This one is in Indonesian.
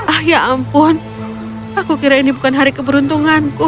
ah ya ampun aku kira ini bukan hari keberuntunganku